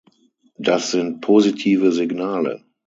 Das sind positive Signale.